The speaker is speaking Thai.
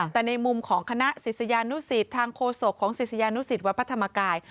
แต่ในมุมของคณะศิษยานุสิตทางโฆษกของศิษยานุสิตวัดพระธรรมกาย